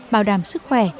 bảo đảm sức khỏe